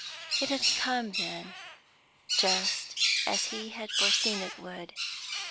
It had come then, and just as he had foreseen it would.